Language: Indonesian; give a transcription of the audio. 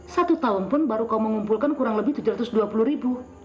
satu tahun pun baru kau mengumpulkan kurang lebih tujuh ratus dua puluh ribu